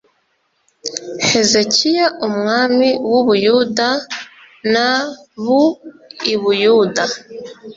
Hezekiya umwami w u Buyuda n ab i Buyuda